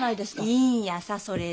いいんやさそれで。